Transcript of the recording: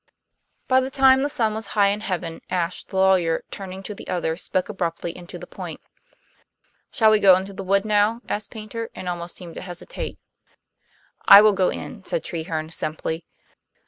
By the time the sun was high in heaven Ashe the lawyer, turning to the others, spoke abruptly and to the point. "Shall we go into the wood now?" asked Paynter, and almost seemed to hesitate. "I will go in," said Treherne simply.